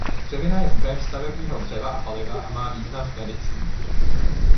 Dřevina je zdrojem stavebního dřeva a paliva a má význam v medicíně.